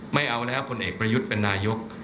ไม่เอาแล้วผลเอกประยุทธ์เป็นนายก